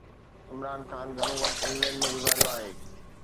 عمران خان گهڻو وقت انگلينڊ ۾ گذاريو آهي.